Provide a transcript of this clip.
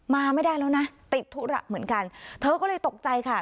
มาไม่ได้แล้วนะติดธุระเหมือนกันเธอก็เลยตกใจค่ะ